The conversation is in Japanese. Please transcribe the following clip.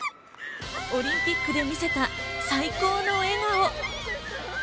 オリンピックで見せた最高の笑顔。